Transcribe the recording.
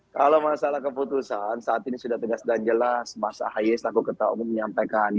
kalau masalah keputusan saat ini sudah tegas dan jelas mas ahaye selaku ketahuan menyampaikan